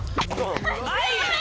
はい！